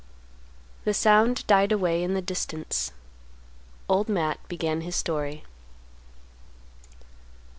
The sound died away in the distance. Old Matt began his story.